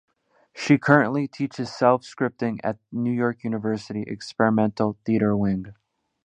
She currently teaches Self-Scripting at New York University's Experimental Theatre Wing.